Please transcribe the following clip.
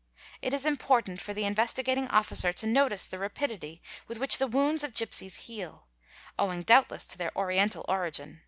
| q It is important for the Investigating Officer to notice the rapidity with which the wounds of gipsies heal, owing doubtless to their oriental | origin.